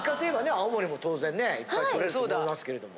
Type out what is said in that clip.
青森も当然ねいっぱいとれると思いますけれども。